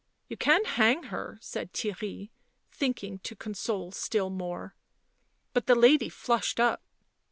" You can hang her," said Theirry, thinking to con sole still more. But the lady flushed up.